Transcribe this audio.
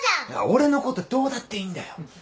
俺のことはどうだっていいんだよ。